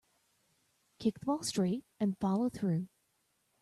Kick the ball straight and follow through.